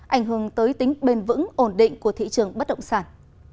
ảnh hưởng tới tính bền vững ổn định của thị trường bất động sản